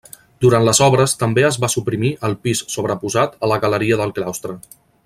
Durant les obres també es va suprimir el pis sobreposat a la galeria del claustre.